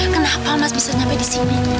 kenapa mas bisa nyampe disini